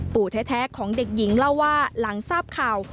ปู่แท้ของเด็กหญิงเล่าว่าหลังทราบข่าว